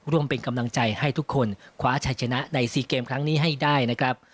รวมเป็นกำลังใจให้ทุกคนคว้าชัยชนะใน๔เกมครั้งนี้ให้ได้นะครับ